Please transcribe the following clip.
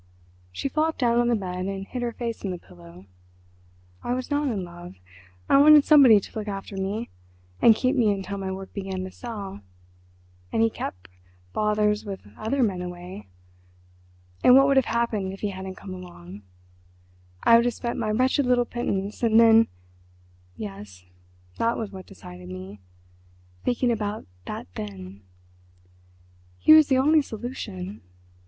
She flopped down on the bed and hid her face in the pillow. "I was not in love. I wanted somebody to look after me—and keep me until my work began to sell—and he kept bothers with other men away. And what would have happened if he hadn't come along? I would have spent my wretched little pittance, and then—Yes, that was what decided me, thinking about that 'then.' He was the only solution.